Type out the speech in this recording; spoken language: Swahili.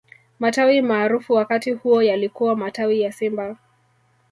matawi maarufu wakati huo yalikuwa matawi ya simba